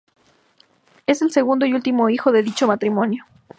Es el segundo y último hijo de dicho matrimonio.